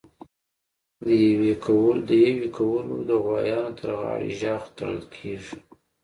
د یویې کولو لپاره د غوایانو تر غاړي ژغ تړل کېږي.